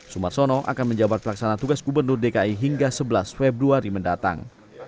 sumarsono akan menjabat pelaksana tugas gubernur dki hingga sebelas februari mendatang